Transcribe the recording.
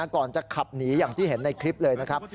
ก่อนจะขับหนีอย่างที่เห็นในคลิปเลยนะครับ